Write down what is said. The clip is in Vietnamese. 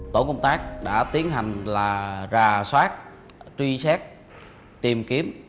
tổ công tác đã tiến hành là ra soát truy xét tìm kiếm